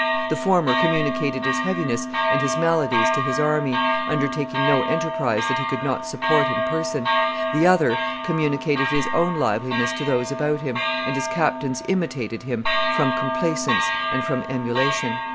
The former communicated his heaviness and his maladies to his army, undertaking no enterprise that he could not support in person; the other communicated his own liveliness to those about him, and his captains imitated him from complaisance and from emulation."